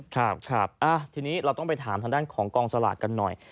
ครับทีนี้เราต้องไปถามทางด้านของกองสลากกันหน่อย